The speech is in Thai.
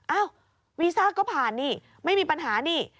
อ้าววีซ่าก็ผ่านนี่ไม่มีปัญหานี่